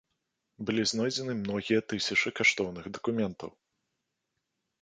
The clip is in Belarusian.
Былі знойдзены многія тысячы каштоўных дакументаў.